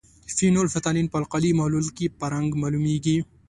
فینول فتالین په القلي محلول کې په رنګ معلومیږي.